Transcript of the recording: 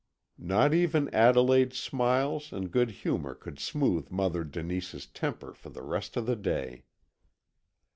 Not even Adelaide's smiles and good humour could smooth Mother Denise's temper for the rest of the day.